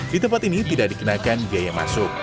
di tempat ini tidak dikenakan biaya masuk